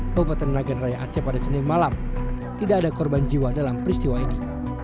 kabupaten nagan raya aceh pada senin malam tidak ada korban jiwa dalam peristiwa ini